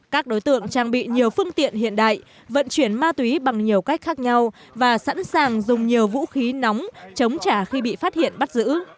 các đối tượng trang bị nhiều phương tiện hiện đại vận chuyển ma túy bằng nhiều cách khác nhau và sẵn sàng dùng nhiều vũ khí nóng chống trả khi bị phát hiện bắt giữ